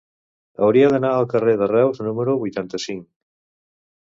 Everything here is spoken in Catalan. Hauria d'anar al carrer de Reus número vuitanta-cinc.